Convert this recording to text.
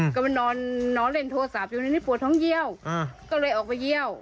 ก็มานอนเล่นโทรศัพท์อยู่ในนี้ปวดท้องเยี่ยวก็เลยออกไปเยี่ยว